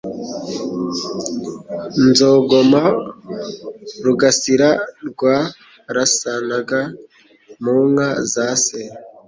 Nzogoma, RugasiraRwarasanaga mu nka za se